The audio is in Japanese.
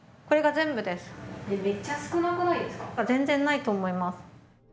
全然ないと思います。